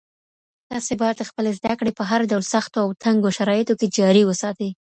تاسي باید خپلي زدکړي په هر ډول سختو او تنګو شرایطو کي جاري وساتئ.